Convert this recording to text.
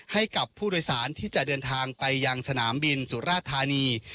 ให้กับผู้โดยสารที่จะเดินทางไปยังสนามบินสุราธานี